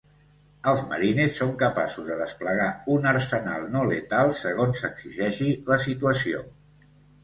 Els marines són capaços de desplegar un arsenal no letal segons exigeixi la situació.